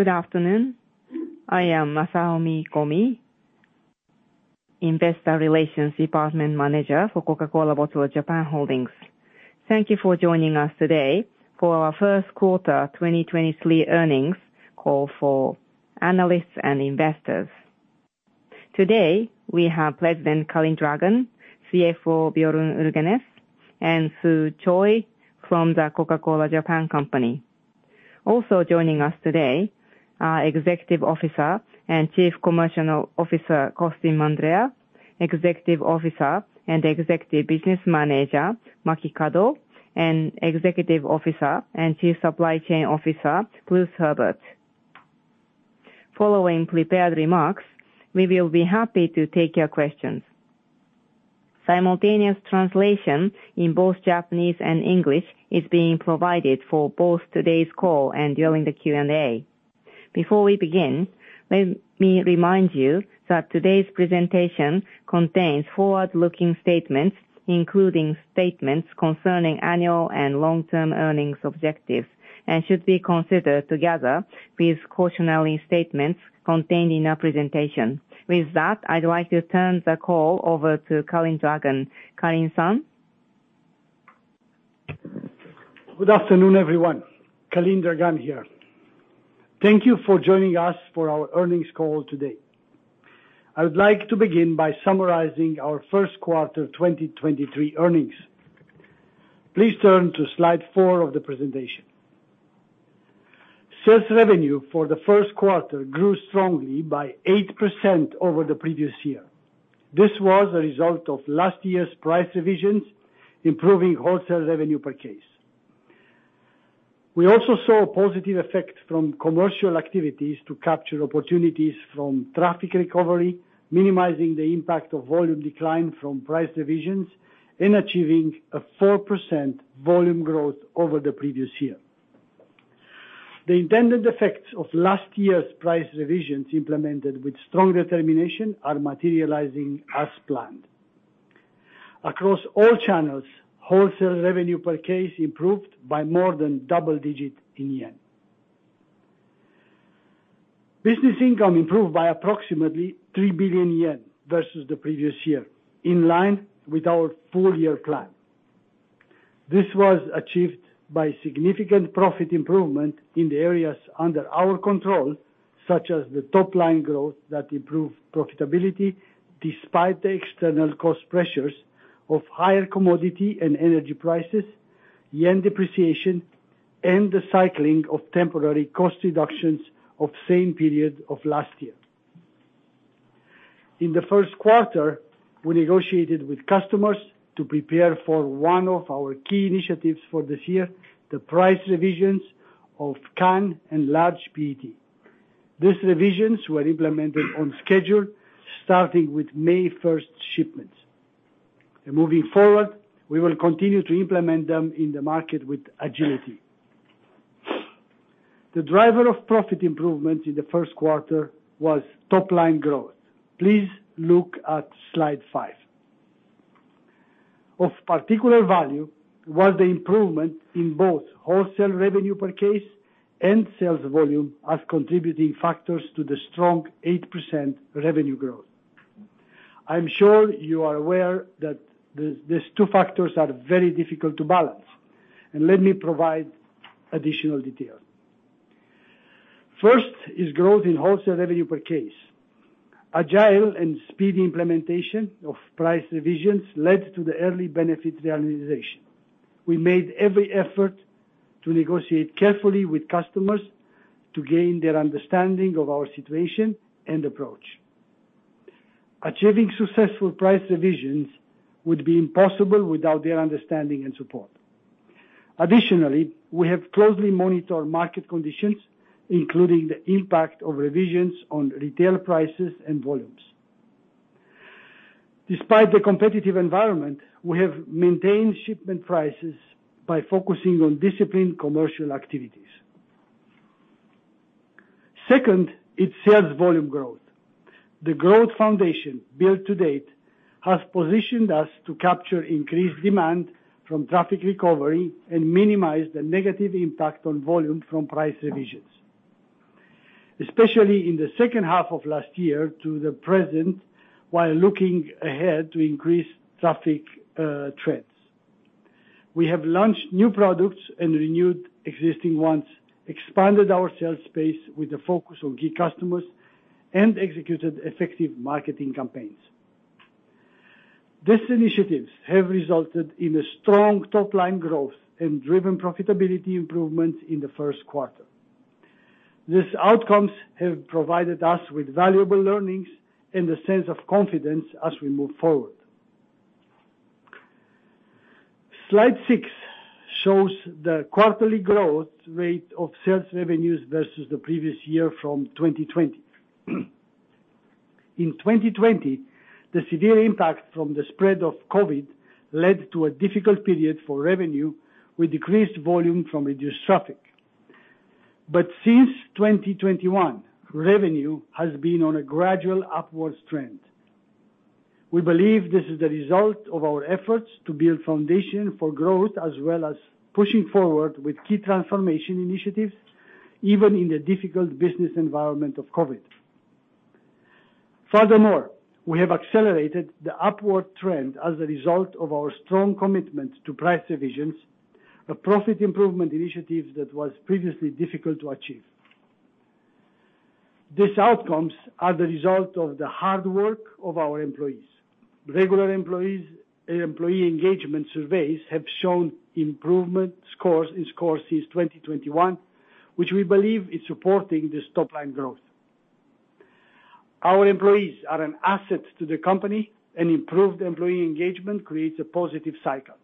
Good afternoon. I am Masaomi Komi, Investor Relations Department Manager for Coca-Cola Bottlers Japan Holdings. Thank you for joining us today for our first quarter 2023 earnings call for analysts and investors. Today, we have President Calin Dragan, CFO Bjorn Ulgen, and Sue Choi from the Coca-Cola Japan Company. Also joining us today are Executive Officer and Chief Commercial Officer, Costin Mandrea, Executive Officer and Executive Business Manager, Maki Kado, and Executive Officer and Chief Supply Chain Officer, Bruce Herbert. Following prepared remarks, we will be happy to take your questions. Simultaneous translation in both Japanese and English is being provided for both today's call and during the Q&A. Before we begin, let me remind you that today's presentation contains forward-looking statements, including statements concerning annual and long-term earnings objectives, and should be considered together with cautionary statements contained in our presentation. With that, I'd like to turn the call over to Calin Dragan. Calin San. Good afternoon, everyone. Calin Dragan here. Thank you for joining us for our earnings call today. I would like to begin by summarizing our first quarter 2023 earnings. Please turn to slide 4 of the presentation. Sales revenue for the first quarter grew strongly by 8% over the previous year. This was a result of last year's price revisions, improving wholesale revenue per case. We also saw a positive effect from commercial activities to capture opportunities from traffic recovery, minimizing the impact of volume decline from price revisions and achieving a 4% volume growth over the previous year. The intended effects of last year's price revisions implemented with strong determination are materializing as planned. Across all channels, wholesale revenue per case improved by more than double digit in JPY. Business income improved by approximately 3 billion yen versus the previous year, in line with our full year plan. This was achieved by significant profit improvement in the areas under our control, such as the top line growth that improved profitability despite the external cost pressures of higher commodity and energy prices, yen depreciation, and the cycling of temporary cost reductions of same period of last year. In the first quarter, we negotiated with customers to prepare for 1 of our key initiatives for this year, the price revisions of CAN and large PET. These revisions were implemented on schedule, starting with May first shipments. Moving forward, we will continue to implement them in the market with agility. The driver of profit improvement in the first quarter was top line growth. Please look at slide 5. Of particular value was the improvement in both wholesale revenue per case and sales volume as contributing factors to the strong 8% revenue growth. I'm sure you are aware that these two factors are very difficult to balance. Let me provide additional detail. First is growth in wholesale revenue per case. Agile and speedy implementation of price revisions led to the early benefit realization. We made every effort to negotiate carefully with customers to gain their understanding of our situation and approach. Achieving successful price revisions would be impossible without their understanding and support. Additionally, we have closely monitored market conditions, including the impact of revisions on retail prices and volumes. Despite the competitive environment, we have maintained shipment prices by focusing on disciplined commercial activities. Second, it's sales volume growth. The growth foundation built to date has positioned us to capture increased demand from traffic recovery and minimize the negative impact on volume from price revisions, especially in the second half of last year to the present, while looking ahead to increase traffic trends. We have launched new products and renewed existing ones, expanded our sales space with a focus on key customers and executed effective marketing campaigns. These initiatives have resulted in a strong top line growth and driven profitability improvement in the first quarter. These outcomes have provided us with valuable learnings and a sense of confidence as we move forward. Slide six shows the quarterly growth rate of sales revenues versus the previous year from 2020. In 2020, the severe impact from the spread of COVID led to a difficult period for revenue with decreased volume from reduced traffic. Since 2021, revenue has been on a gradual upwards trend. We believe this is the result of our efforts to build foundation for growth as well as pushing forward with key transformation initiatives, even in the difficult business environment of COVID. Furthermore, we have accelerated the upward trend as a result of our strong commitment to price revisions, a profit improvement initiative that was previously difficult to achieve. These outcomes are the result of the hard work of our employees. Regular employees, employee engagement surveys have shown improvement in scores since 2021, which we believe is supporting this top line growth. Our employees are an asset to the company, and improved employee engagement creates a positive cycle.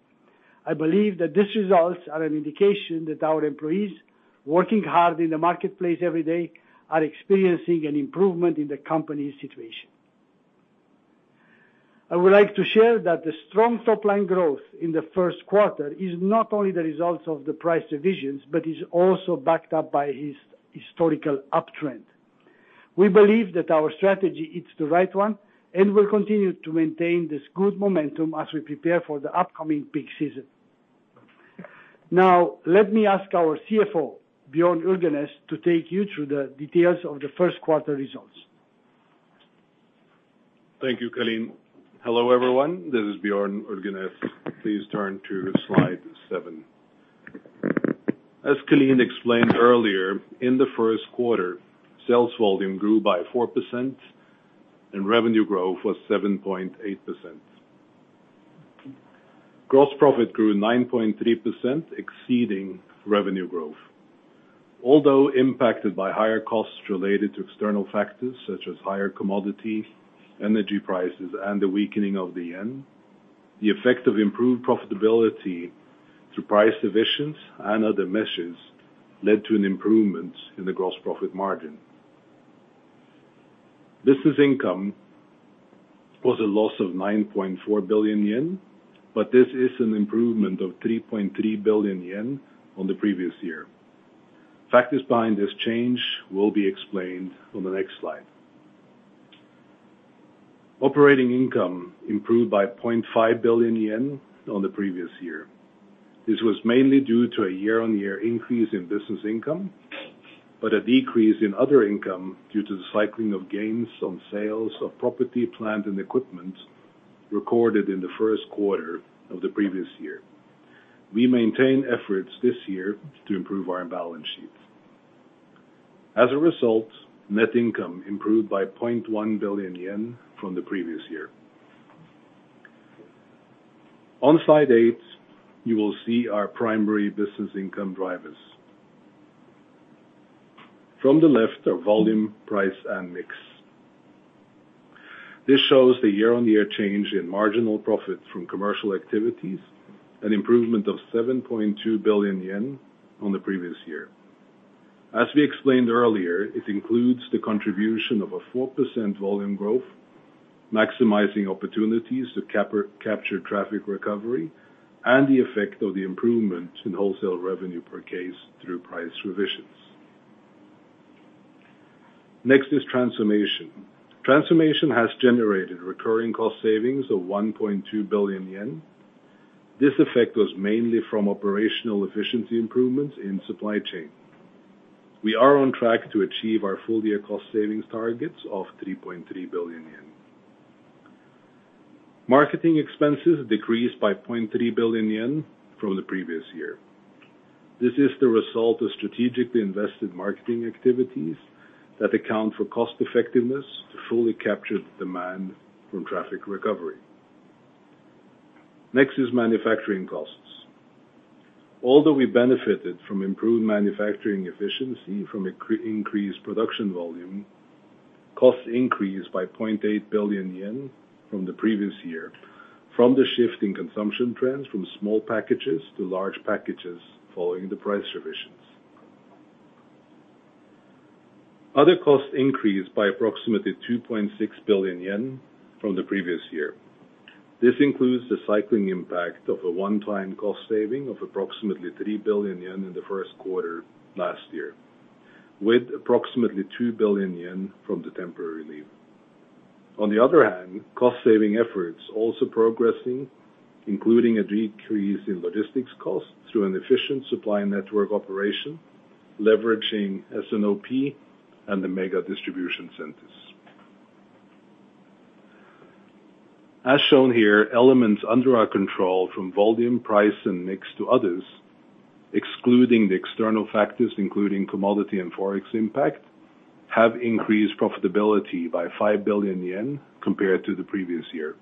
I believe that these results are an indication that our employees, working hard in the marketplace every day, are experiencing an improvement in the company's situation. I would like to share that the strong top line growth in the first quarter is not only the results of the price revisions, but is also backed up by historical uptrend. We believe that our strategy is the right one, and we'll continue to maintain this good momentum as we prepare for the upcoming peak season. Now, let me ask our CFO, Bjorn Urgeness, to take you through the details of the first quarter results. Thank you, Calin. Hello, everyone. This is Bjorn Ulgenes. Please turn to slide 7. As Kaleen explained earlier, in the 1st quarter, sales volume grew by 4% and revenue growth was 7.8%. Gross profit grew 9.3%, exceeding revenue growth. Although impacted by higher costs related to external factors such as higher commodity, energy prices, and the weakening of the yen, the effect of improved profitability through price divisions and other measures led to an improvement in the gross profit margin. Business income was a loss of 9.4 billion yen, this is an improvement of 3.3 billion yen on the previous year. Factors behind this change will be explained on the next slide. Operating income improved by 0.5 billion yen on the previous year. This was mainly due to a year-on-year increase in business income, but a decrease in other income due to the cycling of gains on sales of property, plant, and equipment recorded in the first quarter of the previous year. We maintain efforts this year to improve our balance sheet. As a result, net income improved by 0.1 billion yen from the previous year. On slide 8, you will see our primary business income drivers. From the left are volume, price, and mix. This shows the year-on-year change in marginal profit from commercial activities, an improvement of 7.2 billion yen on the previous year. As we explained earlier, it includes the contribution of a 4% volume growth, maximizing opportunities to capture traffic recovery, and the effect of the improvement in wholesale revenue per case through price revisions. Next is transformation. Transformation has generated recurring cost savings of 1.2 billion yen. This effect was mainly from operational efficiency improvements in supply chain. We are on track to achieve our full year cost savings targets of 3.3 billion yen. Marketing expenses decreased by 0.3 billion yen from the previous year. This is the result of strategically invested marketing activities that account for cost effectiveness to fully capture the demand from traffic recovery. Next is manufacturing costs. Although we benefited from improved manufacturing efficiency from increased production volume, costs increased by 0.8 billion yen from the previous year, from the shift in consumption trends from small packages to large packages following the price revisions. Other costs increased by approximately 2.6 billion yen from the previous year. This includes the cycling impact of a one-time cost saving of approximately 3 billion yen in the first quarter last year, with approximately 2 billion yen from the temporary leave. Cost-saving efforts also progressing, including a decrease in logistics costs through an efficient supply network operation, leveraging S&OP and the mega distribution centers. As shown here, elements under our control from volume, price, and mix to others, excluding the external factors including commodity and Forex impact, have increased profitability by 5 billion yen compared to the previous year.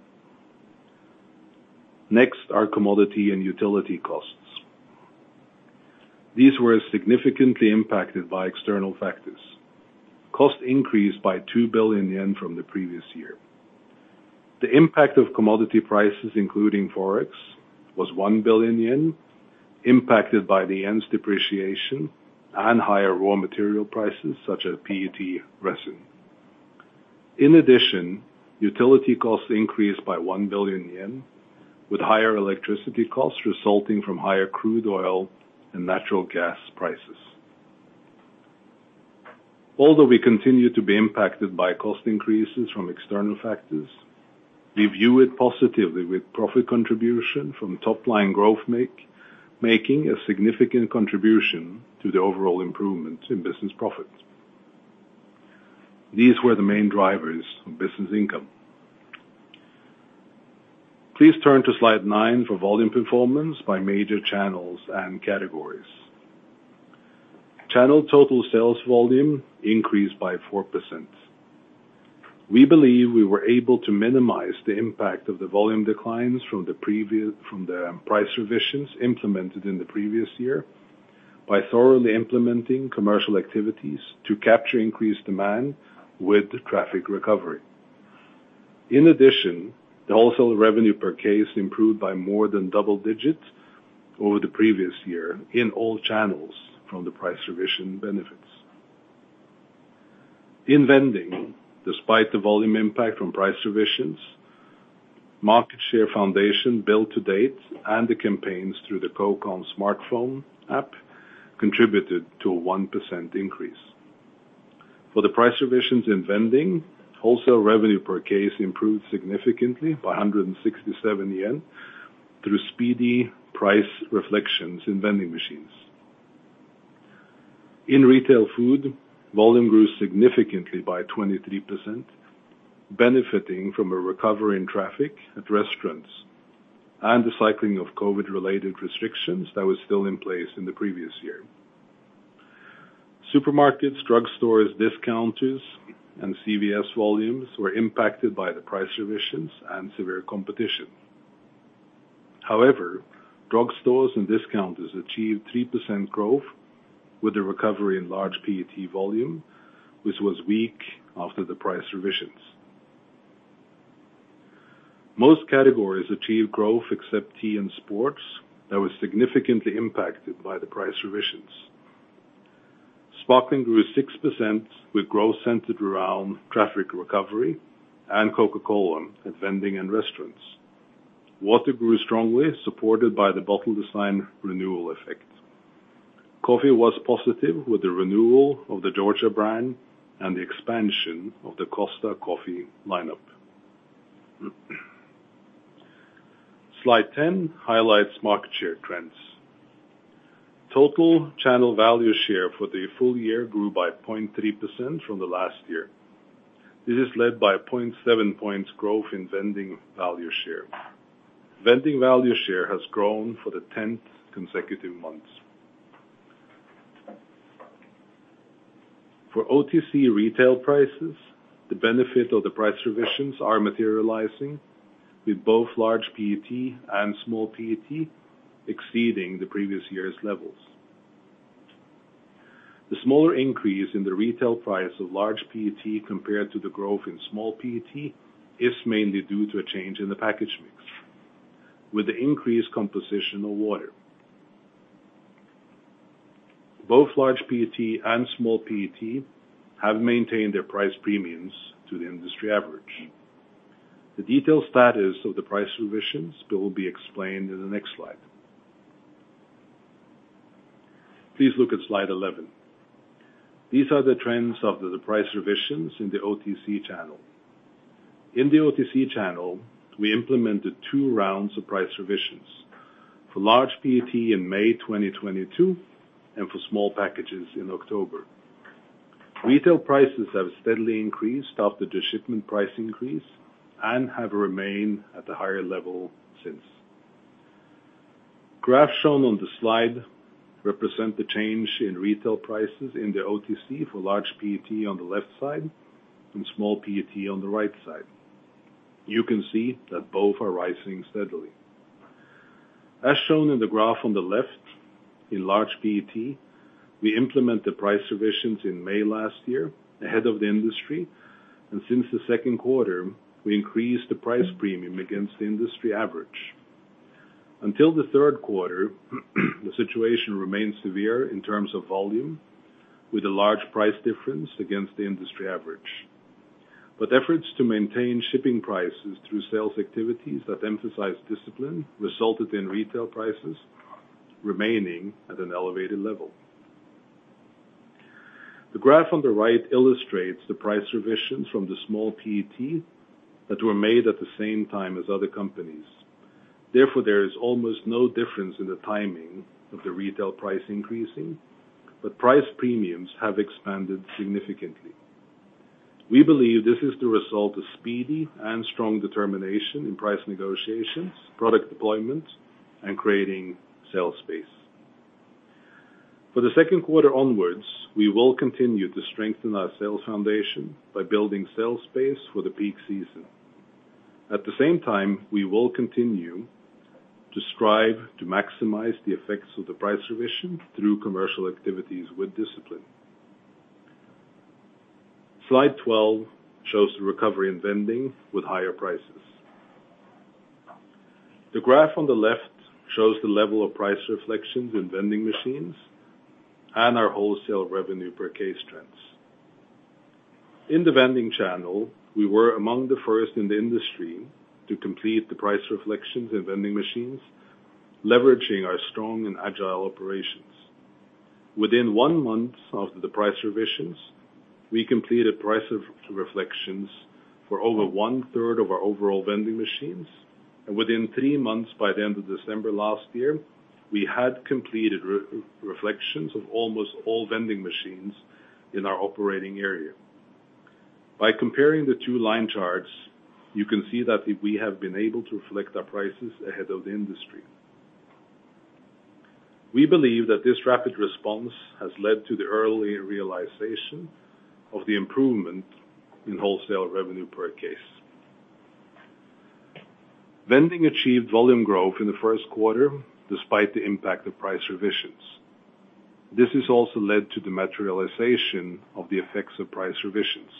Our commodity and utility costs. These were significantly impacted by external factors. Cost increased by 2 billion yen from the previous year. The impact of commodity prices, including Forex, was 1 billion yen, impacted by the yen's depreciation and higher raw material prices such as PET resin. In addition, utility costs increased by 1 billion yen, with higher electricity costs resulting from higher crude oil and natural gas prices. Although we continue to be impacted by cost increases from external factors, we view it positively with profit contribution from top-line growth making a significant contribution to the overall improvements in business profits. These were the main drivers of business income. Please turn to slide 9 for volume performance by major channels and categories. Channel total sales volume increased by 4%. We believe we were able to minimize the impact of the volume declines from the price revisions implemented in the previous year by thoroughly implementing commercial activities to capture increased demand with the traffic recovery. In addition, the wholesale revenue per case improved by more than double digits over the previous year in all channels from the price revision benefits. In vending, despite the volume impact from price revisions, market share foundation built to date and the campaigns through the Coca-Cola Smartphone app contributed to a 1% increase. For the price revisions in vending, wholesale revenue per case improved significantly by 167 yen through speedy price reflections in vending machines. In retail food, volume grew significantly by 23%, benefiting from a recovery in traffic at restaurants and the cycling of COVID-related restrictions that were still in place in the previous year. Supermarkets, drugstores, discounters, and CVS volumes were impacted by the price revisions and severe competition. However, drugstores and discounters achieved 3% growth with a recovery in large PET volume, which was weak after the price revisions. Most categories achieved growth except tea and sports that was significantly impacted by the price revisions. Sparkling grew 6% with growth centered around traffic recovery and Coca-Cola in vending and restaurants. Water grew strongly, supported by the bottle design renewal effect. Coffee was positive with the renewal of the Georgia brand and the expansion of the Costa Coffee lineup. Slide 10 highlights market share trends. Total channel value share for the full year grew by 0.3% from the last year. This is led by a 0.7 points growth in vending value share. Vending value share has grown for the 10th consecutive months. For OTC retail prices, the benefit of the price revisions are materializing with both large PET and small PET exceeding the previous year's levels. The smaller increase in the retail price of large PET compared to the growth in small PET is mainly due to a change in the package mix with the increased composition of water. Both large PET and small PET have maintained their price premiums to the industry average. The detailed status of the price revisions will be explained in the next slide. Please look at slide 11. These are the trends of the price revisions in the OTC channel. In the OTC channel, we implemented two rounds of price revisions for large PET in May 2022 and for small packages in October. Retail prices have steadily increased after the shipment price increase and have remained at a higher level since. Graphs shown on the slide represent the change in retail prices in the OTC for large PET on the left side and small PET on the right side. You can see that both are rising steadily. As shown in the graph on the left, in large PET, we implement the price revisions in May last year ahead of the industry, and since the second quarter, we increased the price premium against the industry average. Until the third quarter, the situation remained severe in terms of volume, with a large price difference against the industry average. Efforts to maintain shipping prices through sales activities that emphasize discipline resulted in retail prices remaining at an elevated level. The graph on the right illustrates the price revisions from the small PET that were made at the same time as other companies. There is almost no difference in the timing of the retail price increasing, but price premiums have expanded significantly. We believe this is the result of speedy and strong determination in price negotiations, product deployment, and creating sales space. For the second quarter onwards, we will continue to strengthen our sales foundation by building sales space for the peak season. At the same time, we will continue to strive to maximize the effects of the price revision through commercial activities with discipline. Slide 12 shows the recovery in vending with higher prices. The graph on the left shows the level of price reflections in vending machines and our wholesale revenue per case trends. In the vending channel, we were among the first in the industry to complete the price reflections in vending machines, leveraging our strong and agile operations. Within one month of the price revisions, we completed price re-reflections for over one-third of our overall vending machines. Within three months, by the end of December last year, we had completed re-reflections of almost all vending machines in our operating area. By comparing the two line charts, you can see that we have been able to reflect our prices ahead of the industry. We believe that this rapid response has led to the early realization of the improvement in wholesale revenue per case. Vending achieved volume growth in the first quarter despite the impact of price revisions. This has also led to the materialization of the effects of price revisions.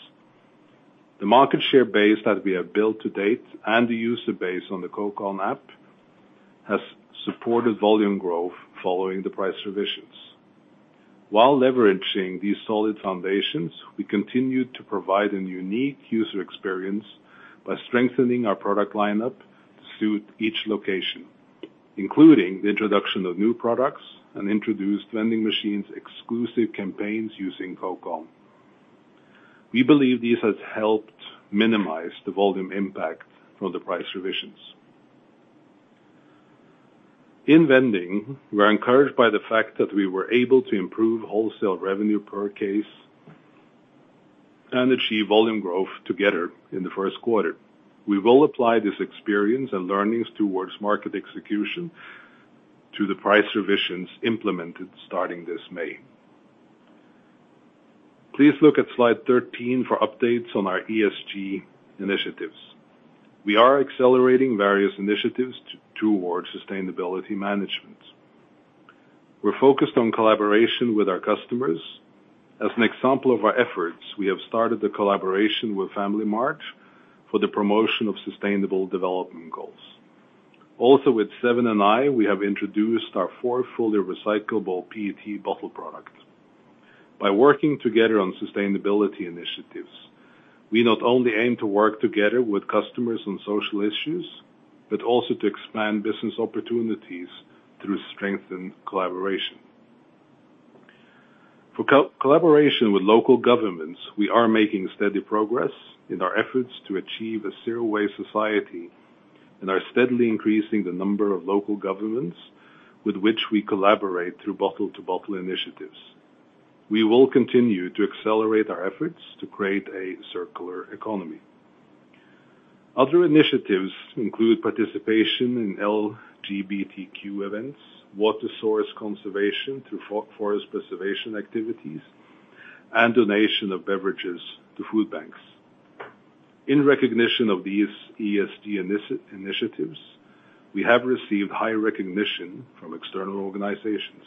The market share base that we have built to date and the user base on the Coke ON app has supported volume growth following the price revisions. While leveraging these solid foundations, we continued to provide a unique user experience by strengthening our product lineup to suit each location, including the introduction of new products and introduced vending machines exclusive campaigns using Coke ON. We believe this has helped minimize the volume impact from the price revisions. In vending, we're encouraged by the fact that we were able to improve wholesale revenue per case and achieve volume growth together in the first quarter. We will apply this experience and learnings towards market execution to the price revisions implemented starting this May. Please look at slide 13 for updates on our ESG initiatives. We are accelerating various initiatives towards sustainability management. We're focused on collaboration with our customers. As an example of our efforts, we have started the collaboration with FamilyMart for the promotion of sustainable development goals. With Seven & i, we have introduced our 4 fully recyclable PET bottle product. By working together on sustainability initiatives, we not only aim to work together with customers on social issues, but also to expand business opportunities through strengthened collaboration. For collaboration with local governments, we are making steady progress in our efforts to achieve a zero-waste society, and are steadily increasing the number of local governments with which we collaborate through Bottle-to-Bottle initiatives. We will continue to accelerate our efforts to create a circular economy. Other initiatives include participation in LGBTQ events, water source conservation through forest preservation activities, and donation of beverages to food banks. In recognition of these ESG initiatives, we have received high recognition from external organizations.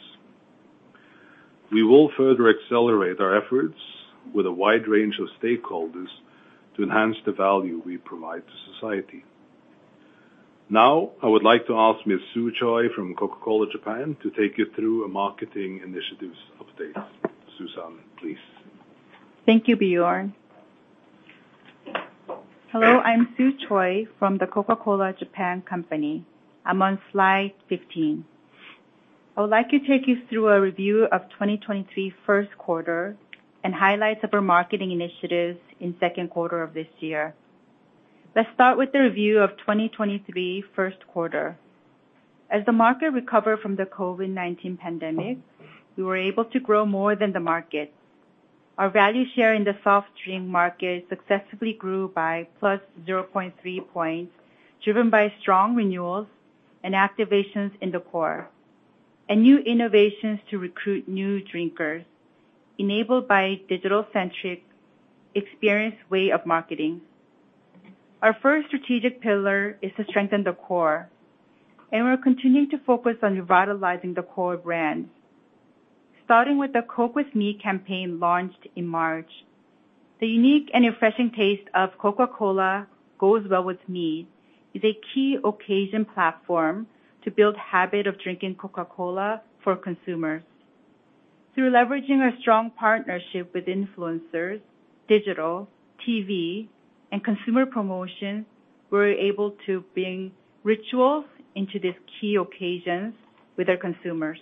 We will further accelerate our efforts with a wide range of stakeholders to enhance the value we provide to society. Now, I would like to ask Ms. Sue Choi from Coca-Cola Japan to take you through our marketing initiatives updates. Satoshi Simon, please. Thank you, Bjorn. Hello, I'm Sue Choi from the Coca-Cola Japan Company. I'm on slide 15. I would like to take you through a review of 2023 1st quarter and highlights of our marketing initiatives in 2nd quarter of this year. Let's start with the review of 2023 1st quarter. As the market recovered from the COVID-19 pandemic, we were able to grow more than the market. Our value share in the soft drink market successfully grew by +0.3 points, driven by strong renewals and activations in the core, and new innovations to recruit new drinkers, enabled by digital-centric experience way of marketing. Our 1st strategic pillar is to strengthen the core, and we're continuing to focus on revitalizing the core brands. Starting with the Coke With Me campaign launched in March. The unique and refreshing taste of Coca-Cola goes well with me is a key occasion platform to build habit of drinking Coca-Cola for consumers. Through leveraging a strong partnership with influencers, digital, TV, and consumer promotions, we're able to bring rituals into these key occasions with our consumers.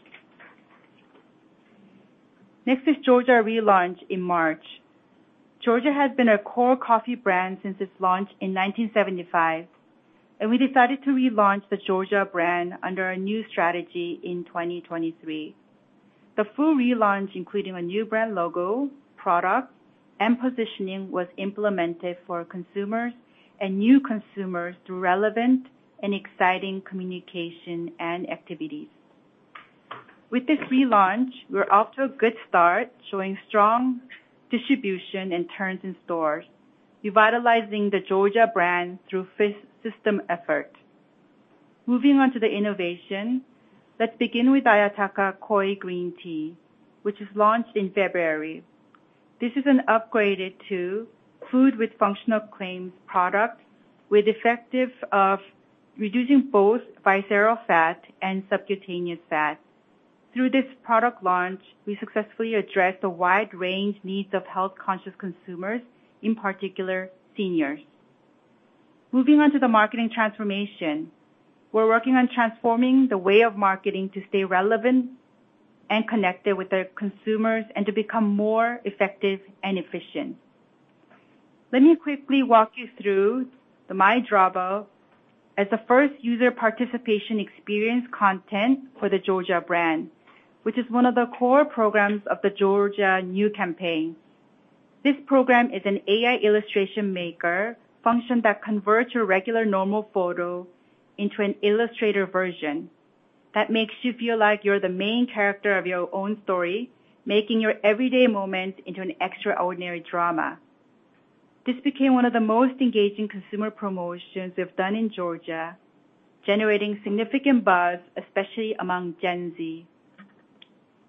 Next is Georgia relaunch in March. Georgia has been our core coffee brand since its launch in 1975, and we decided to relaunch the Georgia brand under our new strategy in 2023. The full relaunch, including a new brand logo, product, and positioning, was implemented for consumers and new consumers through relevant and exciting communication and activities. With this relaunch, we're off to a good start, showing strong distribution and turns in stores, revitalizing the Georgia brand through system effort. Moving on to the innovation. Let's begin with Ayataka Koi Green Tea, which was launched in February. This is an upgraded to food with functional claims product with effective of reducing both visceral fat and subcutaneous fat. Through this product launch, we successfully addressed a wide range needs of health-conscious consumers, in particular, seniors. Moving on to the marketing transformation. We're working on transforming the way of marketing to stay relevant and connected with the consumers and to become more effective and efficient. Let me quickly walk you through the My Drawbot as the first user participation experience content for the Georgia brand, which is one of the core programs of the Georgia new campaign. This program is an AI illustration maker function that converts your regular normal photo into an illustrator version that makes you feel like you're the main character of your own story, making your everyday moments into an extraordinary drama. This became one of the most engaging consumer promotions we've done in Georgia, generating significant buzz, especially among Gen Z.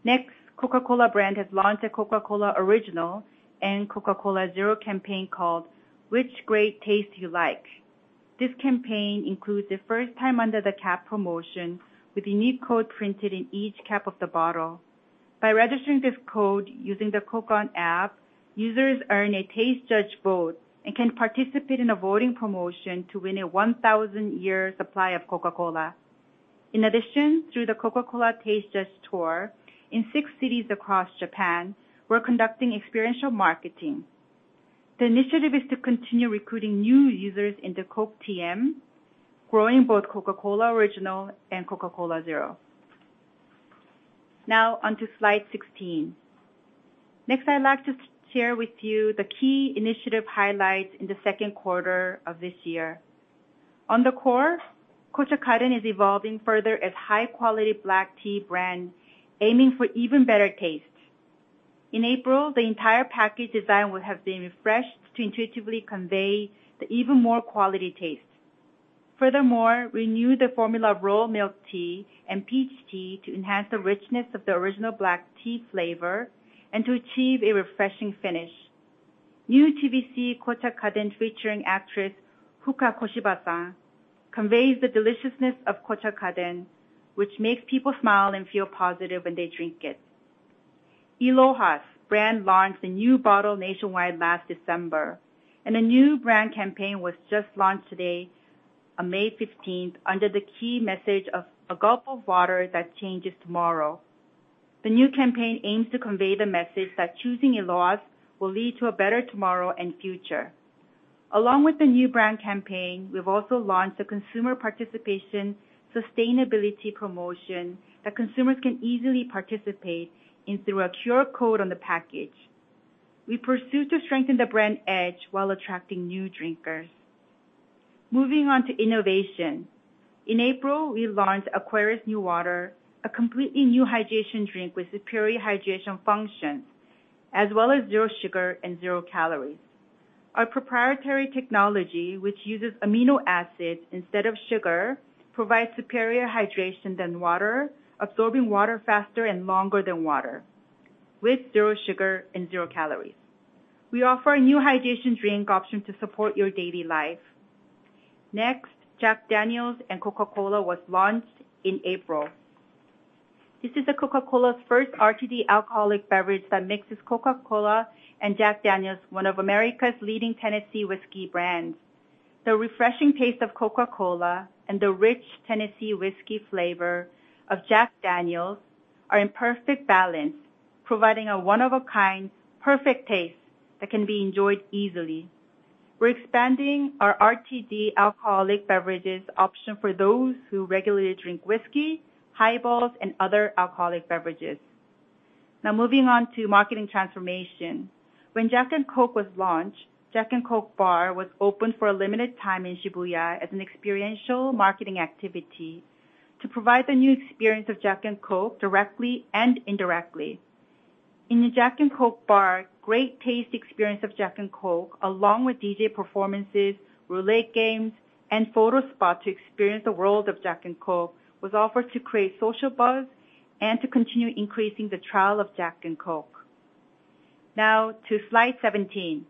Next, Coca-Cola brand has launched a Coca-Cola Original and Coca-Cola Zero campaign called Which Great Taste You Like. This campaign includes the first time under the cap promotion with a unique code printed in each cap of the bottle. By registering this code using the Coke ON app, users earn a taste judge vote and can participate in a voting promotion to win a 1,000 year supply of Coca-Cola. In addition, through the Coca-Cola Taste Test Tour in six cities across Japan, we're conducting experiential marketing. The initiative is to continue recruiting new users into Coke TM, growing both Coca-Cola Original and Coca-Cola Zero. Now on to slide 16. Next, I'd like to share with you the key initiative highlights in the second quarter of this year. On the core, Kōcha Kaden is evolving further as high-quality black tea brand, aiming for even better taste. In April, the entire package design would have been refreshed to intuitively convey the even more quality taste. Renew the formula Royal Milk Tea and Peach Tea to enhance the richness of the original black tea flavor and to achieve a refreshing finish. New TVC Kōcha Kaden, featuring actress Fuka Koshiba, conveys the deliciousness of Kōcha Kaden, which makes people smile and feel positive when they drink it. I LOHAS brand launched a new bottle nationwide last December. A new brand campaign was just launched today on May 15th, under the key message of a gulp of water that changes tomorrow. The new campaign aims to convey the message that choosing I LOHAS will lead to a better tomorrow and future. Along with the new brand campaign, we've also launched a consumer participation sustainability promotion that consumers can easily participate in through a QR code on the package. We pursue to strengthen the brand edge while attracting new drinkers. Moving on to innovation. In April, we launched Aquarius NEWATER, a completely new hydration drink with superior hydration functions, as well as zero sugar and zero calories. Our proprietary technology, which uses amino acids instead of sugar, provides superior hydration than water, absorbing water faster and longer than water with zero sugar and zero calories. We offer a new hydration drink option to support your daily life. Next, Jack Daniel's & Coca-Cola was launched in April. This is the Coca-Cola's first RTD alcoholic beverage that mixes Coca-Cola and Jack Daniel's, one of America's leading Tennessee whiskey brands. The refreshing taste of Coca-Cola and the rich Tennessee whiskey flavor of Jack Daniel's are in perfect balance, providing a one of a kind, perfect taste that can be enjoyed easily. We're expanding our RTD alcoholic beverages option for those who regularly drink whiskey, highballs, and other alcoholic beverages. Moving on to marketing transformation. When Jack and Coke was launched, Jack and Coke Bar was opened for a limited time in Shibuya as an experiential marketing activity to provide the new experience of Jack and Coke directly and indirectly. In the Jack and Coke Bar, great taste experience of Jack and Coke, along with DJ performances, relay games, and photo spot to experience the world of Jack and Coke, was offered to create social buzz and to continue increasing the trial of Jack and Coke. To slide 17.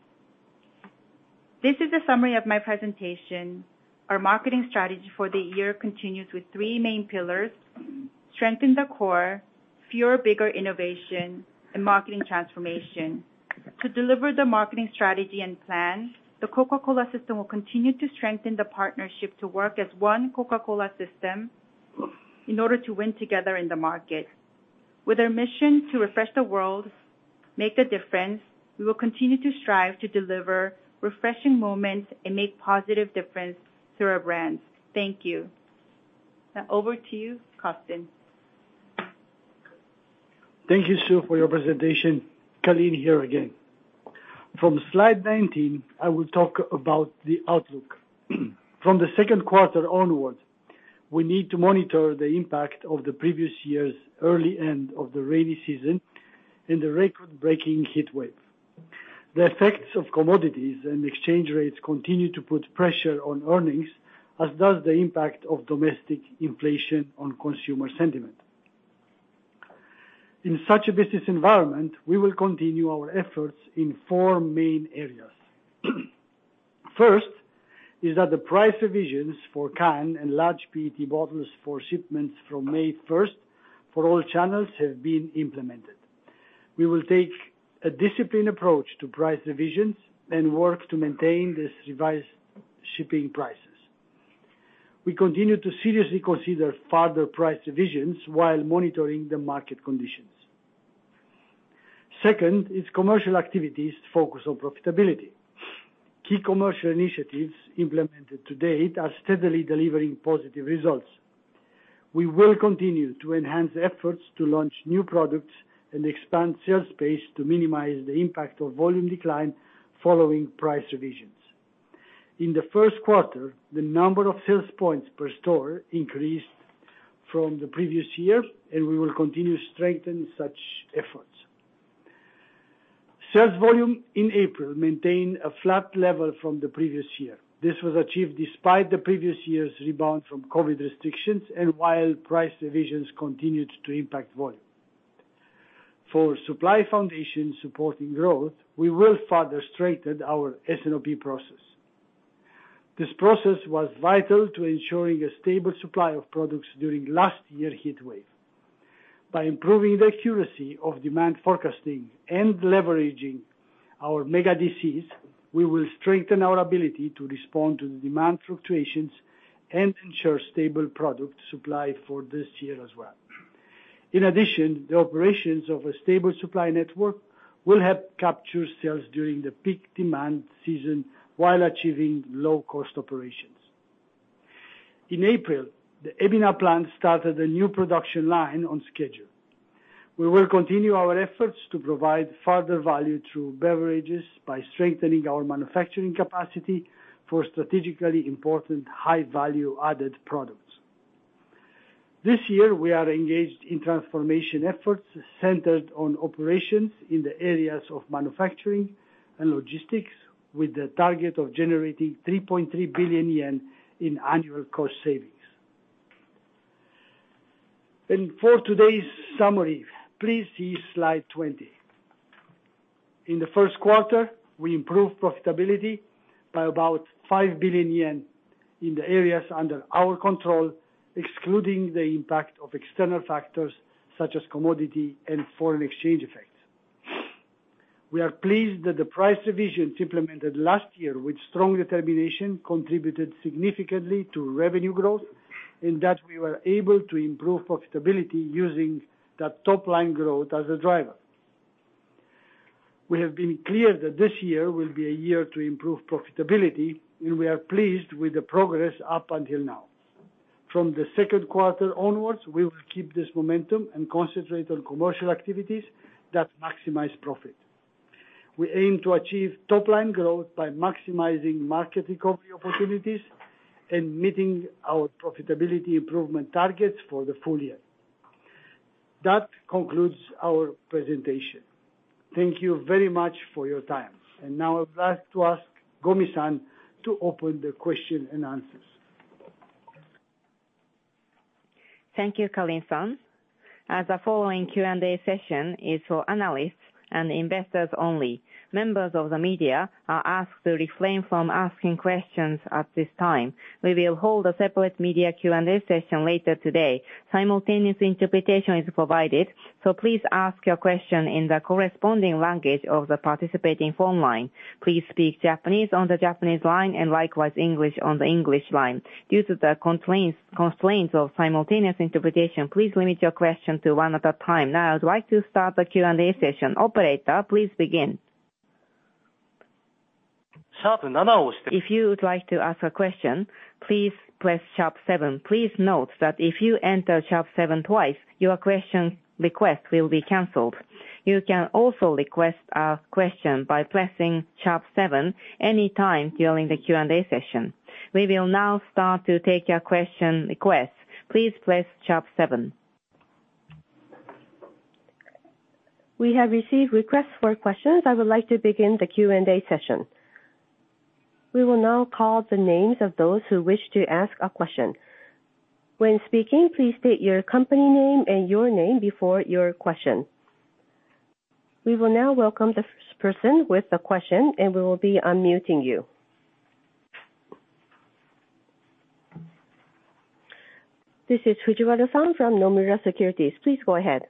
This is a summary of my presentation. Our marketing strategy for the year continues with three main pillars: strengthen the core, fewer bigger innovation, and marketing transformation. To deliver the marketing strategy and plan, the Coca-Cola system will continue to strengthen the partnership to work as one Coca-Cola system in order to win together in the market. With our mission to refresh the world, make a difference, we will continue to strive to deliver refreshing moments and make positive difference through our brands. Thank you. Now over to you, Kostin. Thank you, Sue, for your presentation. Calin here again. From slide 19, I will talk about the outlook. From the second quarter onwards, we need to monitor the impact of the previous year's early end of the rainy season and the record-breaking heat wave. The effects of commodities and exchange rates continue to put pressure on earnings, as does the impact of domestic inflation on consumer sentiment. In such a business environment, we will continue our efforts in four main areas. First is that the price revisions for can and large PET bottles for shipments from May first for all channels have been implemented. We will take a disciplined approach to price revisions and work to maintain these revised shipping prices. We continue to seriously consider further price revisions while monitoring the market conditions. Second is commercial activities focus on profitability. Key commercial initiatives implemented to date are steadily delivering positive results. We will continue to enhance efforts to launch new products and expand sales space to minimize the impact of volume decline following price revisions. In the first quarter, the number of sales points per store increased from the previous year, and we will continue to strengthen such efforts. Sales volume in April maintained a flat level from the previous year. This was achieved despite the previous year's rebound from COVID restrictions and while price revisions continued to impact volume. For supply foundation supporting growth, we will further strengthen our S&OP process. This process was vital to ensuring a stable supply of products during last year's heatwave. By improving the accuracy of demand forecasting and leveraging our Mega DCs, we will strengthen our ability to respond to the demand fluctuations and ensure stable product supply for this year as well. In addition, the operations of a stable supply network will help capture sales during the peak demand season while achieving low cost operations. In April, the Ebina plant started a new production line on schedule. We will continue our efforts to provide further value through beverages by strengthening our manufacturing capacity for strategically important high value-added products. This year we are engaged in transformation efforts centered on operations in the areas of manufacturing and logistics, with the target of generating 3.3 billion yen in annual cost savings. For today's summary, please see slide 20. In the first quarter, we improved profitability by about 5 billion yen in the areas under our control, excluding the impact of external factors such as commodity and foreign exchange effects. We are pleased that the price revisions implemented last year with strong determination contributed significantly to revenue growth, and that we were able to improve profitability using that top line growth as a driver. We have been clear that this year will be a year to improve profitability, and we are pleased with the progress up until now. From the second quarter onwards, we will keep this momentum and concentrate on commercial activities that maximize profit. We aim to achieve top line growth by maximizing market recovery opportunities and meeting our profitability improvement targets for the full year. That concludes our presentation. Thank you very much for your time. Now I'd like to ask Gomi-san to open the question and answers. Thank you, Carlin-san. As the following Q&A session is for analysts and investors only, members of the media are asked to refrain from asking questions at this time. We will hold a separate media Q&A session later today. Simultaneous interpretation is provided, so please ask your question in the corresponding language of the participating phone line. Please speak Japanese on the Japanese line and likewise English on the English line. Due to the constraints of simultaneous interpretation, please limit your question to one at a time. I'd like to start the Q&A session. Operator, please begin. If you would like to ask a question, please press sharp seven. Please note that if you enter sharp seven twice, your question request will be canceled. You can also request a question by pressing sharp seven any time during the Q&A session. We will now start to take your question requests. Please press sharp 7. We have received requests for questions. I would like to begin the Q&A session. We will now call the names of those who wish to ask a question. When speaking, please state your company name and your name before your question. We will now welcome the first person with a question and we will be unmuting you. This is Fujiwara-san from Nomura Securities. Please go ahead.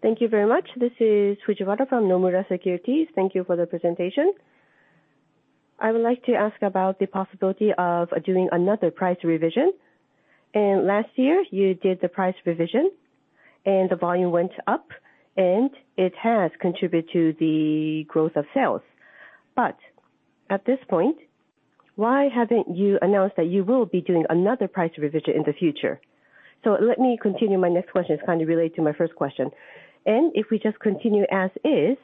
Thank you very much. This is Fujiwara from Nomura Securities. Thank you for the presentation. I would like to ask about the possibility of doing another price revision. Last year you did the price revision and the volume went up and it has contributed to the growth of sales. At this point, why haven't you announced that you will be doing another price revision in the future? Let me continue. My next question is kind of related to my first question. If we just continue as is,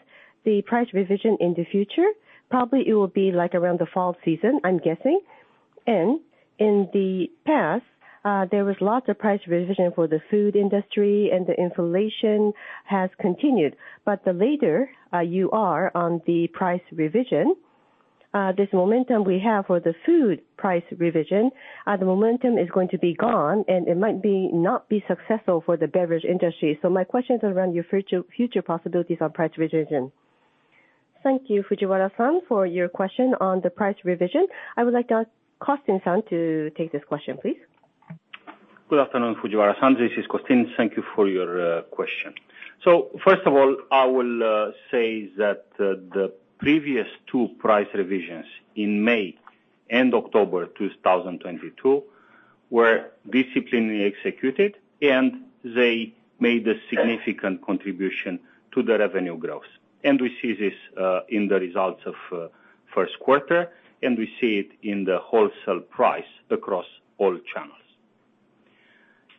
the price revision in the future, probably it will be like around the fall season, I'm guessing. In the past, there was lots of price revision for the food industry and the inflation has continued. The later, you are on the price revision- This momentum we have for the food price revision, the momentum is going to be gone, and it might be not be successful for the beverage industry. My question is around your future possibilities on price revision. Thank you, Fujiwara-san, for your question on the price revision. I would like, Costin-san to take this question, please. Good afternoon, Fujiwara-san. This is Costin. Thank you for your question. First of all, I will say that the previous two price revisions in May and October 2022 were disciplined and executed, and they made a significant contribution to the revenue growth. We see this in the results of first quarter, and we see it in the wholesale price across all channels.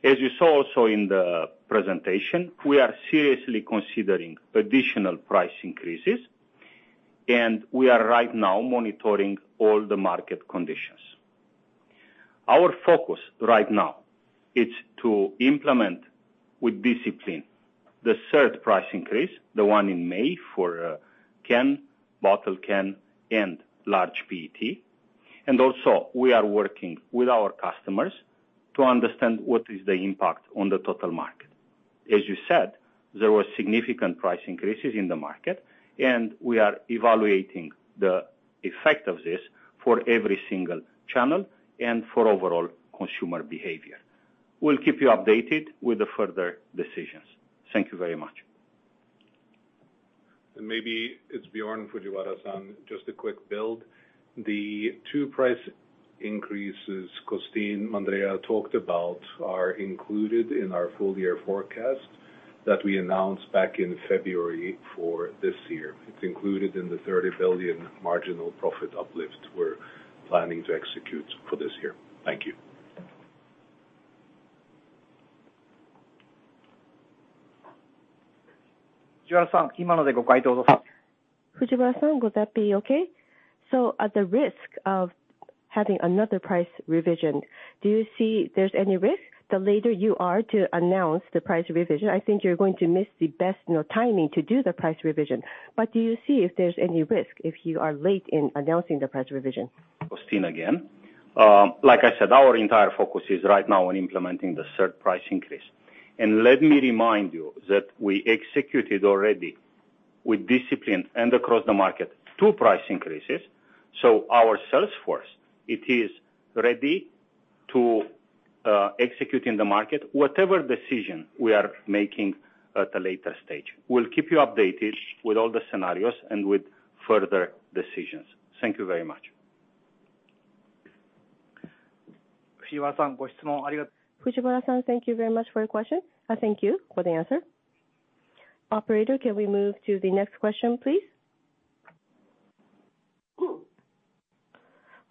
As you saw also in the presentation, we are seriously considering additional price increases, and we are right now monitoring all the market conditions. Our focus right now is to implement with discipline the third price increase, the one in May for can, bottle can, and large PET. Also, we are working with our customers to understand what is the impact on the total market. As you said, there were significant price increases in the market, and we are evaluating the effect of this for every single channel and for overall consumer behavior. We'll keep you updated with the further decisions. Thank you very much. Maybe it's Bjorn, Fujiwara-san, just a quick build. The two price increases Costin Mandrea talked about are included in our full year forecast that we announced back in February for this year. It's included in the 30 billion marginal profit uplift we're planning to execute for this year. Thank you. Fujiwara-san, would that be okay? At the risk of having another price revision, do you see there's any risk the later you are to announce the price revision? I think you're going to miss the best, you know, timing to do the price revision. Do you see if there's any risk if you are late in announcing the price revision? Costin again. Like I said, our entire focus is right now on implementing the third price increase. Let me remind you that we executed already with discipline and across the market two price increases. Our sales force, it is ready to execute in the market whatever decision we are making at a later stage. We'll keep you updated with all the scenarios and with further decisions. Thank you very much. Fujiwara-san, thank you very much for your question. Thank you for the answer. Operator, can we move to the next question, please?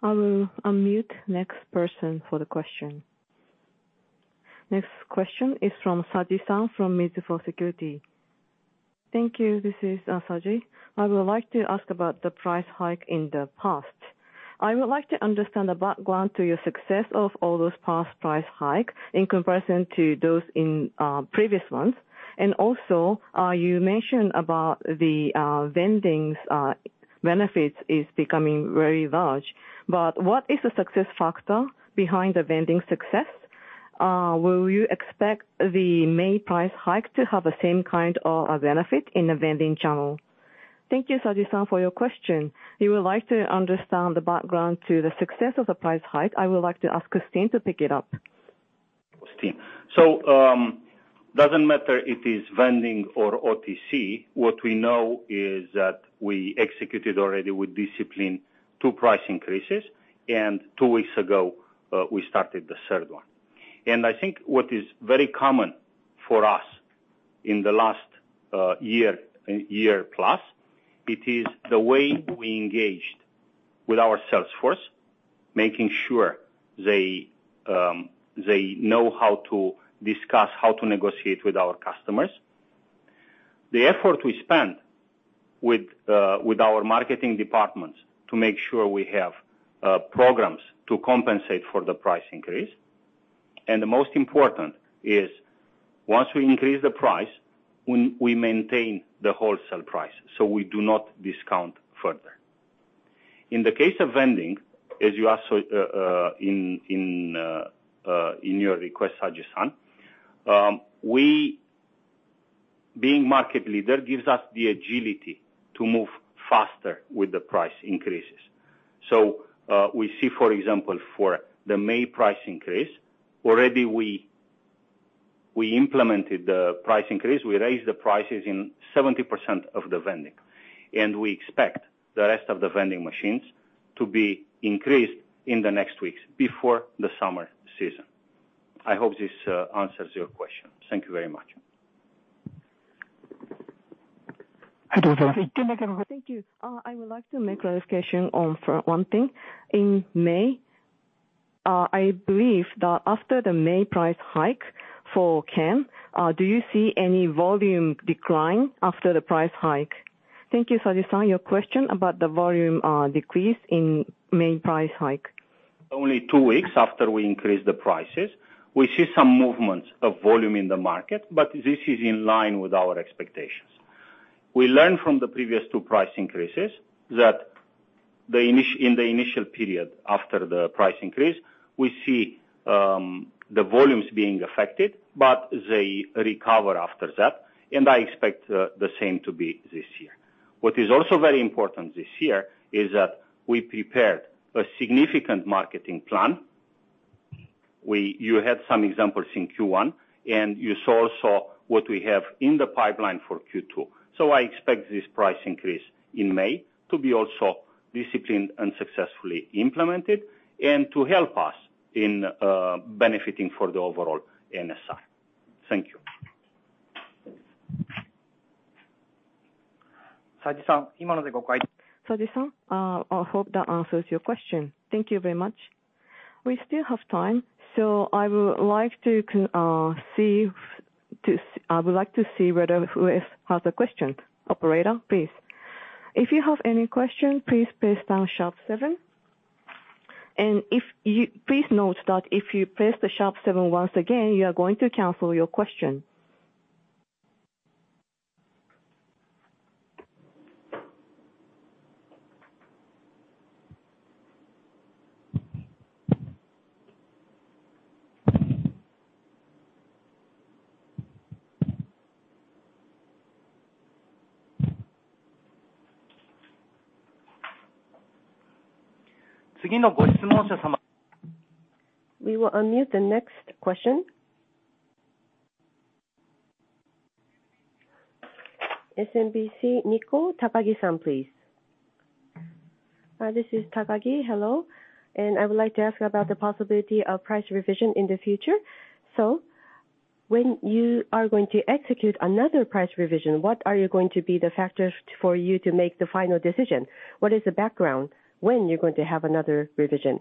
I will unmute next person for the question. Next question is from Saji-san from Mizuho Securities. Thank you. This is Saji. I would like to ask about the price hike in the past. I would like to understand the background to your success of all those past price hikes in comparison to those in previous months. You mentioned about the vendings benefits is becoming very large. What is the success factor behind the vending success? Will you expect the May price hike to have the same kind of benefit in the vending channel? Thank you, Saji-san, for your question. You would like to understand the background to the success of the price hike. I would like to ask Costin to pick it up. Costin. Doesn't matter if it is vending or OTC, what we know is that we executed already with discipline 2 price increases, and 2 weeks ago, we started the third one. I think what is very common for us in the last year plus, it is the way we engaged with our sales force, making sure they know how to discuss, how to negotiate with our customers. The effort we spend with our marketing departments to make sure we have programs to compensate for the price increase. The most important is once we increase the price, we maintain the wholesale price, so we do not discount further. In the case of vending, as you asked in your request, Saji-san, we being market leader gives us the agility to move faster with the price increases. We see, for example, for the May price increase, already we implemented the price increase. We raised the prices in 70% of the vending, and we expect the rest of the vending machines to be increased in the next weeks before the summer season. I hope this answers your question. Thank you very much. Thank you. I would like to make clarification on for one thing. In May, I believe that after the May price hike for can, do you see any volume decline after the price hike? Thank you, Saji-san. Your question about the volume, decrease in May price hike. Only two weeks after we increase the prices, we see some movements of volume in the market, but this is in line with our expectations. We learned from the previous two price increases that in the initial period after the price increase, we see the volumes being affected, but they recover after that, and I expect the same to be this year. What is also very important this year is that we prepared a significant marketing plan. You had some examples in Q1, and you saw what we have in the pipeline for Q2. I expect this price increase in May to be also disciplined and successfully implemented and to help us in benefiting for the overall NSI. Thank you. Saji-san, I hope that answers your question. Thank you very much. We still have time, I would like to see whether who else has a question. Operator, please. If you have any question, please press pound sharp seven. Please note that if you press the sharp seven once again, you are going to cancel your question. We will unmute the next question. SMBC Nikko Takagi-san, please. This is Takagi. Hello. I would like to ask about the possibility of price revision in the future. When you are going to execute another price revision, what are you going to be the factors for you to make the final decision? What is the background when you're going to have another revision?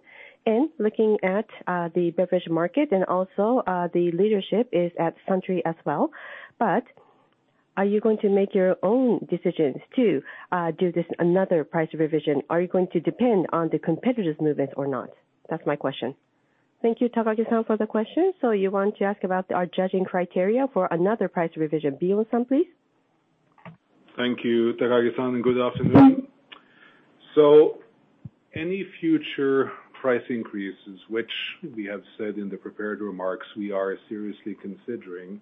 Looking at the beverage market and also, the leadership is at Suntory as well, are you going to make your own decisions to do this another price revision? Are you going to depend on the competitors' movements or not? That's my question. Thank you, Takagi-san, for the question. You want to ask about our judging criteria for another price revision. Biolo-san, please. Thank you, Takagi-san, good afternoon. Any future price increases, which we have said in the prepared remarks we are seriously considering,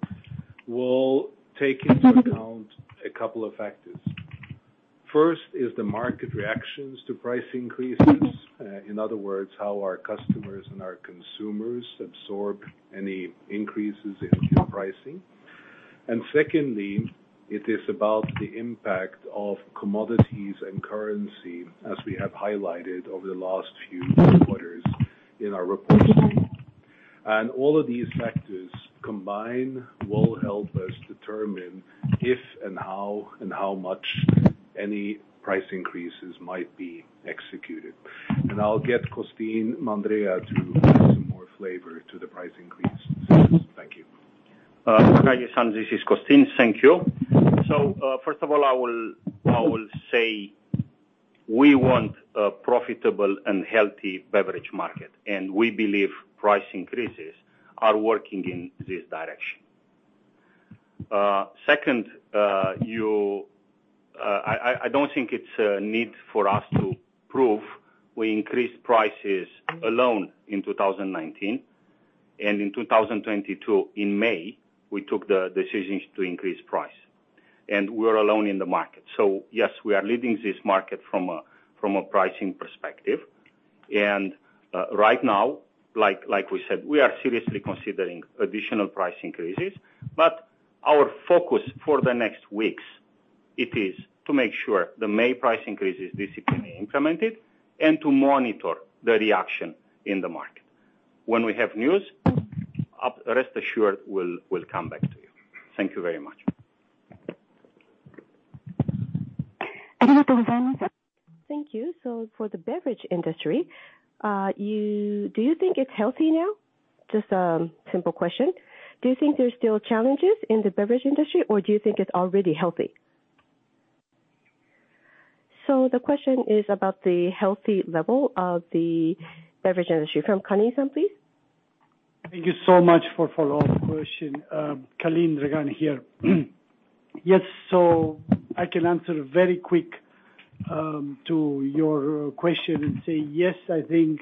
will take into account a couple of factors. First is the market reactions to price increases. In other words, how our customers and our consumers absorb any increases in pricing. Secondly, it is about the impact of commodities and currency, as we have highlighted over the last few quarters in our reporting. All of these factors combined will help us determine if and how and how much any price increases might be executed. I'll get Costin Mandrea to add some more flavor to the price increase. Thank you. Takagi-san, this is Costin. Thank you. First of all, I will say we want a profitable and healthy beverage market, and we believe price increases are working in this direction. Second, I don't think it's a need for us to prove we increased prices alone in 2019. In 2022, in May, we took the decisions to increase price. We are alone in the market. Yes, we are leading this market from a pricing perspective. Right now, like we said, we are seriously considering additional price increases. Our focus for the next weeks, it is to make sure the May price increase is basically implemented and to monitor the reaction in the market. When we have news, rest assured we'll come back to you. Thank you very much. Thank you very much, sir. Thank you. For the beverage industry, do you think it's healthy now? Just a simple question. Do you think there's still challenges in the beverage industry, or do you think it's already healthy? The question is about the healthy level of the beverage industry. From Calin-san, please. Thank you so much for follow-up question. Calin Dragan here. Yes. I can answer very quick to your question and say, yes, I think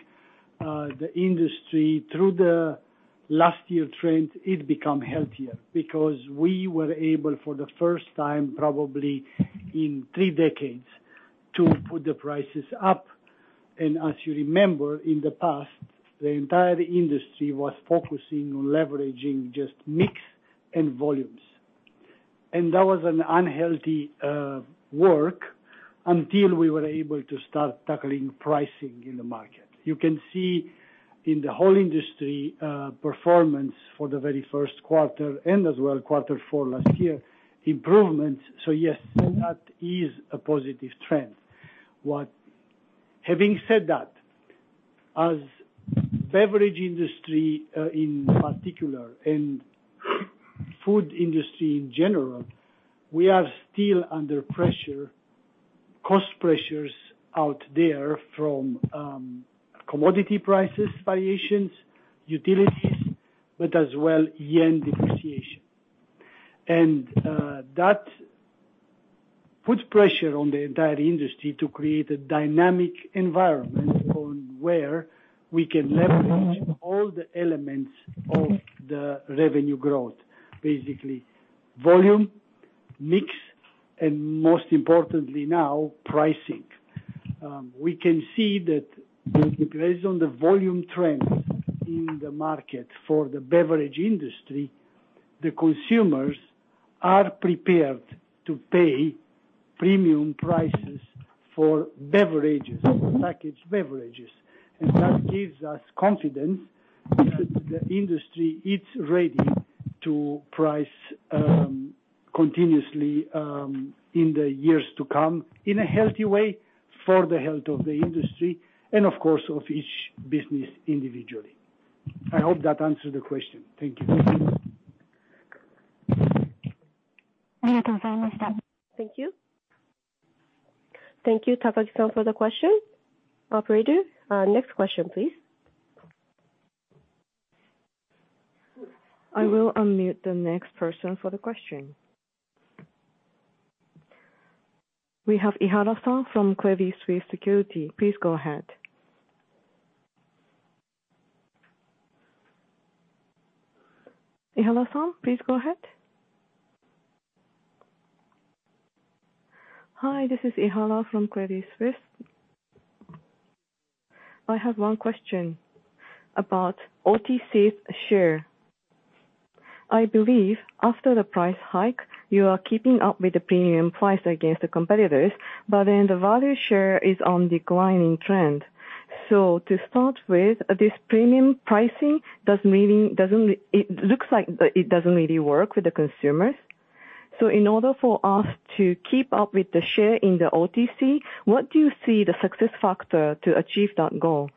the industry, through the last year trend, it become healthier because we were able for the first time, probably in three decades, to put the prices up. As you remember, in the past, the entire industry was focusing on leveraging just mix and volumes. That was an unhealthy work until we were able to start tackling pricing in the market. You can see in the whole industry performance for the very first quarter and as well quarter four last year, improvement. Yes, that is a positive trend. Having said that, as beverage industry in particular and food industry in general, we are still under pressure. Cost pressures out there from commodity prices, variations, utilities, but as well yen depreciation. That puts pressure on the entire industry to create a dynamic environment on where we can leverage all the elements of the revenue growth. Basically, volume, mix, and most importantly now, pricing. We can see that based on the volume trends in the market for the beverage industry, the consumers are prepared to pay premium prices for beverages, packaged beverages. That gives us confidence that the industry is ready to price continuously in the years to come in a healthy way for the health of the industry and of course of each business individually. I hope that answered the question. Thank you. Thank you. Thank you, Takagi-san for the question. Operator, next question, please. I will unmute the next person for the question. We have Ihara-san from Credit Suisse Security. Please go ahead. Ihara-san, please go ahead. Hi, this is Ihara from Credit Suisse. I have 1 question about OTC share. I believe after the price hike, you are keeping up with the premium price against the competitors, the value share is on declining trend. This premium pricing does really, it looks like it doesn't really work with the consumers. In order for us to keep up with the share in the OTC, what do you see the success factor to achieve that goal?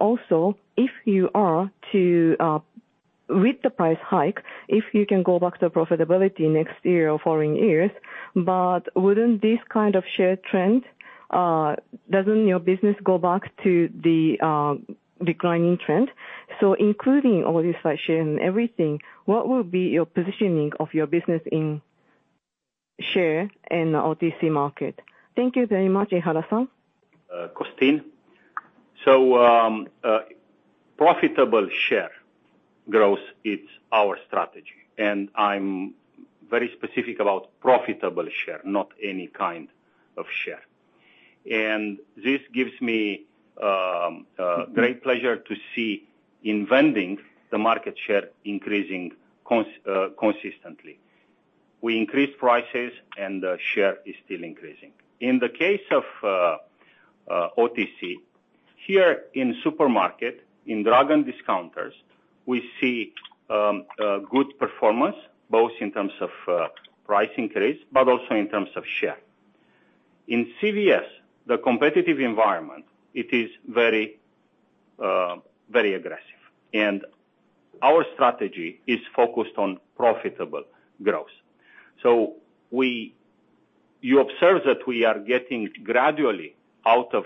Also, if you are to, with the price hike, if you can go back to profitability next year or following years, wouldn't this kind of share trend, doesn't your business go back to the declining trend? Including all this share and everything, what will be your positioning of your business in share in the OTC market? Thank you very much, Ihara-san. Costin. Profitable share growth, it's our strategy, and I'm very specific about profitable share, not any kind of share. This gives me great pleasure to see in vending the market share increasing consistently. We increase prices and the share is still increasing. In the case of OTC, here in supermarket, in drug and discounters, we see good performance, both in terms of price increase, but also in terms of share. In CVS, the competitive environment, it is very aggressive, and our strategy is focused on profitable growth. You observe that we are getting gradually out of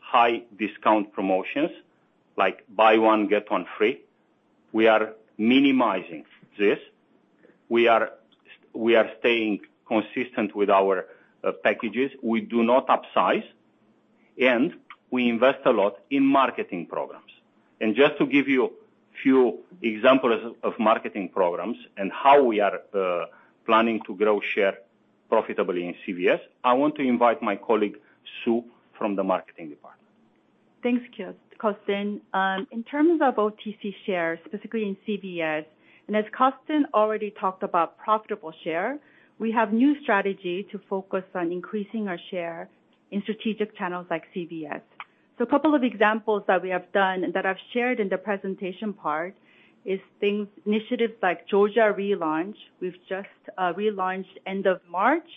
high discount promotions, like buy one, get one free. We are minimizing this. We are staying consistent with our packages. We do not upsize, and we invest a lot in marketing programs. Just to give you a few examples of marketing programs and how we are planning to grow share profitably in CVS, I want to invite my colleague, Sue, from the marketing department. Thanks, Costin. In terms of OTC share, specifically in CVS, and as Costin already talked about profitable share, we have new strategy to focus on increasing our share in strategic channels like CVS. A couple of examples that we have done and that I've shared in the presentation part is things, initiatives like Georgia relaunch. We've just relaunched end of March,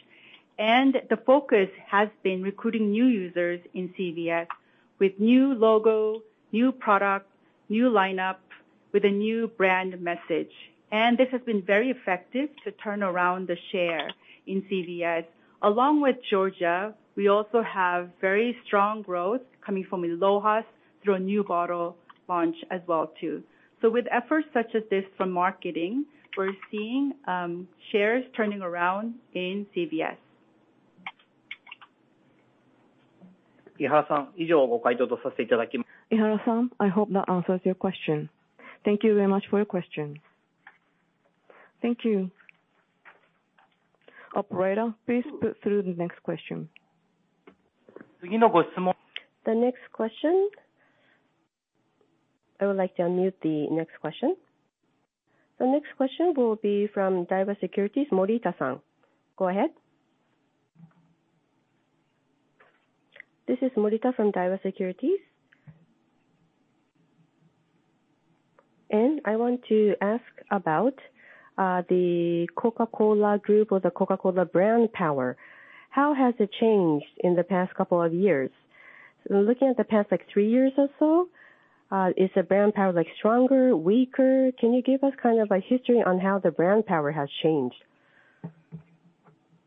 and the focus has been recruiting new users in CVS with new logo, new product, new lineup with a new brand message. This has been very effective to turn around the share in CVS. Along with Georgia, we also have very strong growth coming from I LOHAS through a new bottle launch as well, too. With efforts such as this from marketing, we're seeing shares turning around in CVS. Ihara-san, I hope that answers your question. Thank you very much for your question. Thank you. Operator, please put through the next question. The next question. I would like to unmute the next question. The next question will be from Daiwa Securities, Morita-san. Go ahead. This is Morita from Daiwa Securities. I want to ask about the Coca-Cola Group or the Coca-Cola brand power. How has it changed in the past couple of years? Looking at the past like three years or so, is the brand power like stronger, weaker? Can you give us kind of a history on how the brand power has changed?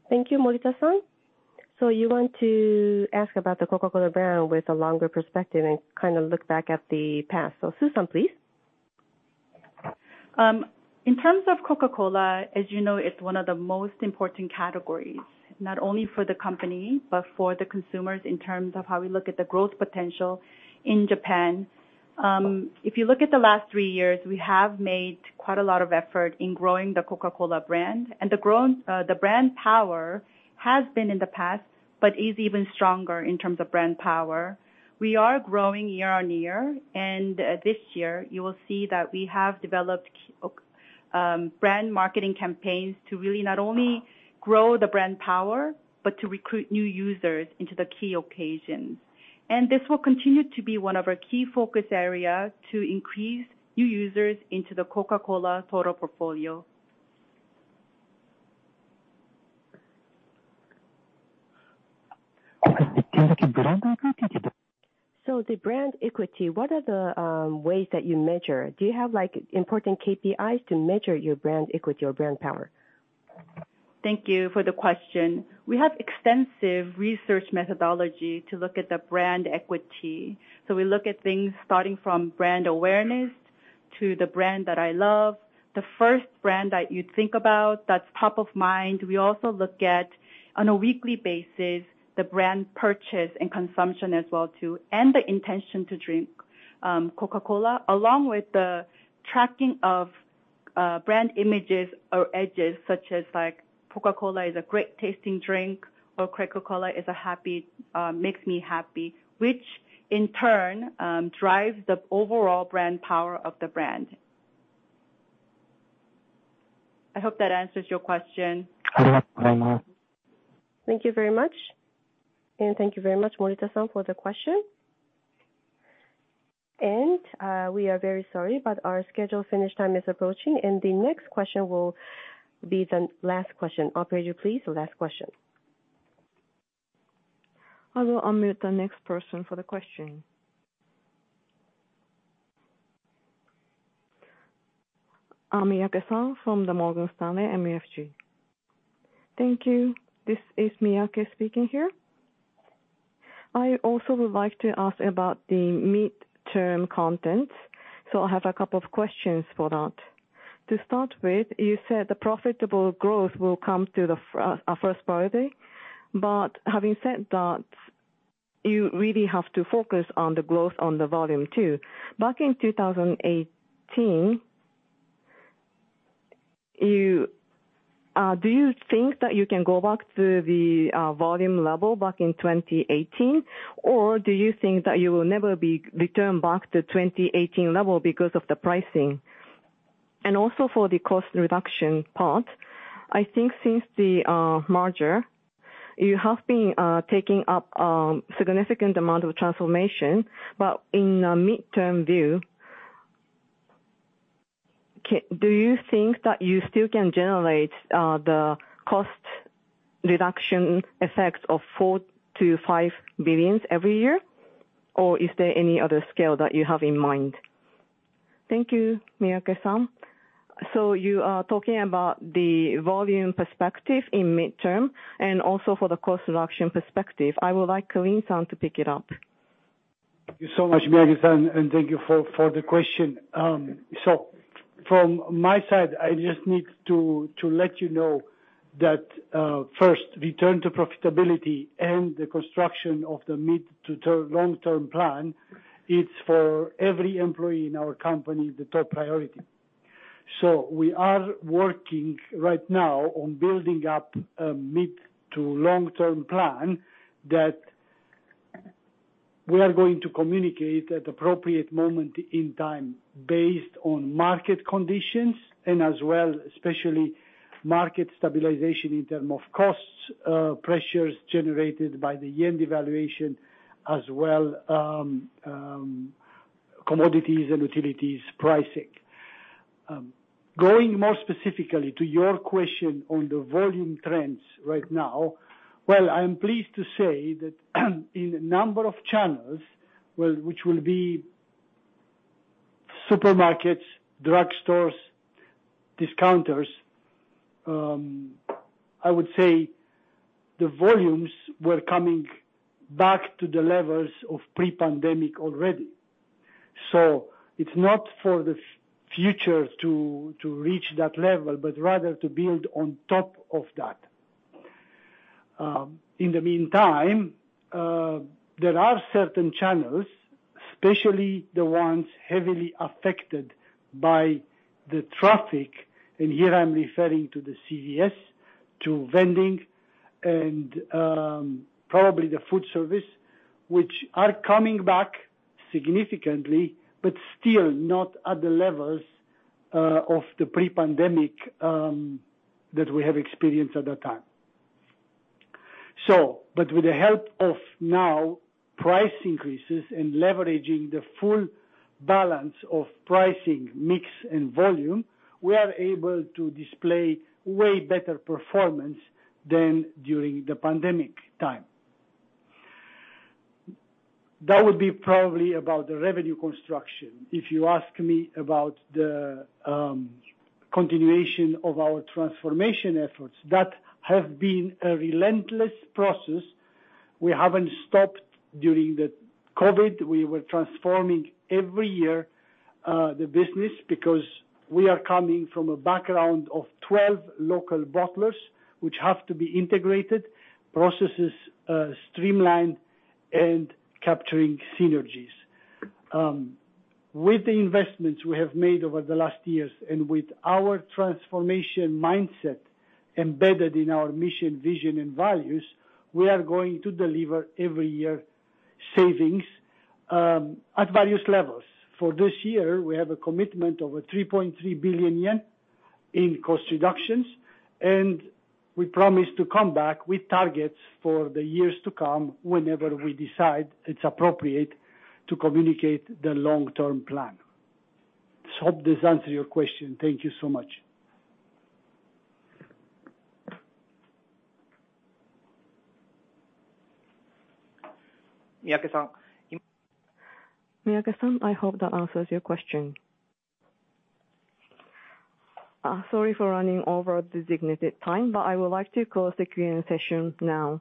Thank you, Morita-san. You want to ask about the Coca-Cola brand with a longer perspective and kind of look back at the past. Sue-san, please. In terms of Coca-Cola, as you know, it's one of the most important categories, not only for the company, but for the consumers in terms of how we look at the growth potential in Japan. If you look at the last three years, we have made quite a lot of effort in growing the Coca-Cola brand. The brand power has been in the past, but is even stronger in terms of brand power. We are growing year-on-year, and this year you will see that we have developed brand marketing campaigns to really not only grow the brand power, but to recruit new users into the key occasions. This will continue to be one of our key focus area to increase new users into the Coca-Cola total portfolio. The brand equity, what are the ways that you measure? Do you have like important KPIs to measure your brand equity or brand power? Thank you for the question. We look at things starting from brand awareness to the brand that I love, the first brand that you'd think about that's top of mind. We also look at, on a weekly basis, the brand purchase and consumption as well too, and the intention to drink Coca-Cola, along with the tracking of brand images or edges such as like Coca-Cola is a great tasting drink or Coca-Cola is a happy, makes me happy, which in turn drives the overall brand power of the brand. I hope that answers your question. Thank you very much. Thank you very much, Morita-san, for the question. We are very sorry, but our scheduled finish time is approaching and the next question will be the last question. Operator, please, the last question. I will unmute the next person for the question. Amiyake-san from the Morgan Stanley MUFG. Thank you. This is Miyake speaking here. I also would like to ask about the midterm content, so I have a couple of questions for that. You said the profitable growth will come to the first priority, but having said that, you really have to focus on the growth on the volume too. Back in 2018, you think that you can go back to the volume level back in 2018? Do you think that you will never be return back to 2018 level because of the pricing? Also for the cost reduction part, I think since the merger, you have been taking up significant amount of transformation, but in a midterm view, do you think that you still can generate the cost reduction effects of 4 billion-5 billion every year? Is there any other scale that you have in mind? Thank you, Miyake-san. You are talking about the volume perspective in midterm and also for the cost reduction perspective. I would like Calin-san to pick it up. Thank you so much, Miyake-san, and thank you for the question. From my side, I just need to let you know that first return to profitability and the construction of the mid to long-term plan, it's for every employee in our company the top priority. We are working right now on building up a mid to long-term plan that we are going to communicate at appropriate moment in time based on market conditions and as well, especially market stabilization in term of costs, pressures generated by the Yen devaluation, as well, commodities and utilities pricing. Going more specifically to your question on the volume trends right now. Well, I am pleased to say that in a number of channels, well, which will be supermarkets, drugstores, discounters, I would say the volumes were coming back to the levels of pre-pandemic already. It's not for the future to reach that level, but rather to build on top of that. In the meantime, there are certain channels, especially the ones heavily affected by the traffic, and here I'm referring to the CVS, to vending and, probably the food service, which are coming back significantly, but still not at the levels of the pre-pandemic that we have experienced at that time. But with the help of now price increases and leveraging the full balance of pricing mix and volume, we are able to display way better performance than during the pandemic time. That would be probably about the revenue construction. If you ask me about the continuation of our transformation efforts, that have been a relentless process. We haven't stopped during the COVID. We were transforming every year the business because we are coming from a background of 12 local bottlers, which have to be integrated, processes, streamlined and capturing synergies. With the investments we have made over the last years and with our transformation mindset embedded in our mission, vision and values, we are going to deliver every year savings at various levels. For this year, we have a commitment of 3.3 billion yen in cost reductions, and we promise to come back with targets for the years to come whenever we decide it's appropriate to communicate the long-term plan. Hope this answer your question. Thank you so much. Miyake-san. Miyake-san, I hope that answers your question. Sorry for running over the designated time, I would like to close the Q&A session now.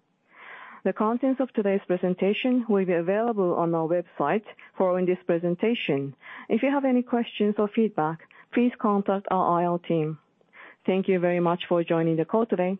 The contents of today's presentation will be available on our website following this presentation. If you have any questions or feedback, please contact our IR team. Thank you very much for joining the call today.